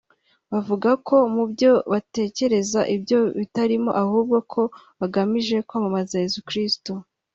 bavuze ko mu byo batekereza ibyo bitarimo ahubwo ko bagamije kwamamaza Yesu Kristo